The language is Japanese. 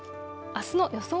あすの予想